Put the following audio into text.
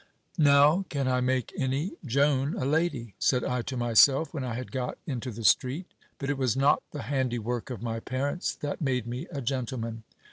Now can 1 make any Joan a lady ! said I to myself when I had got into the street : but it was not the handy work of my parents that made me a gentle man.